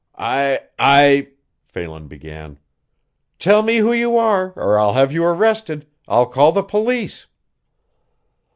"I I" Phelan began. "Tell me who you are or I'll have you arrested I'll call the police."